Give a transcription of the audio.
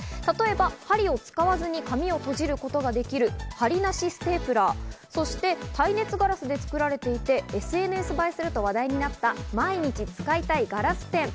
針を使わずに紙を閉じることができる針なしステープラー、そして耐熱ガラテで作られ、ＳＮＳ映えすると話題になった毎日使いたいガラスペン。